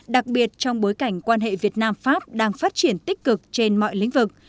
đặc biệt trong bối cảnh quan hệ việt nam pháp đang phát triển tích cực trên mọi lĩnh vực